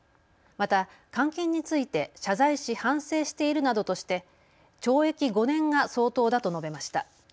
また監禁について謝罪し反省しているなどとして懲役５年が相当だと述べました。